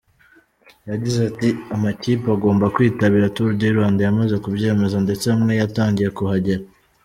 Yagize ati “Amakipe agomba kwitabira Tour du Rwanda yamaze kubyemeza ndetse amwe yatangiye kuhagera.